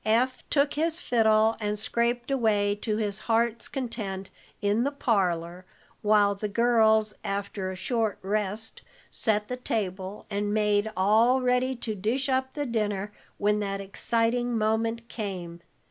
Eph took his fiddle and scraped away to his heart's content in the parlor, while the girls, after a short rest, set the table and made all ready to dish up the dinner when that exciting moment came.